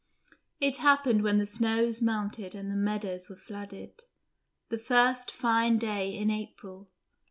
It happened when the snows melted and the meadows were flooded; the first fine day in April.